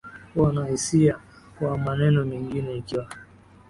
Kuwa na hisia kwa maneno mengine Ikiwa